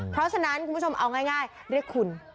เพราะฉะนั้นคุณผู้ชมเอาง่ายเรียกคุณ